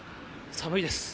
寒いです。